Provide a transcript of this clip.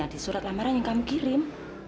di surat lamaran yang kami kirim